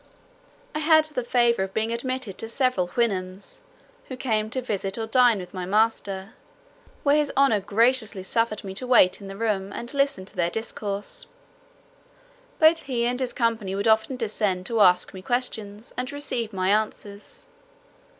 I had the favour of being admitted to several Houyhnhnms, who came to visit or dine with my master; where his honour graciously suffered me to wait in the room, and listen to their discourse. Both he and his company would often descend to ask me questions, and receive my answers.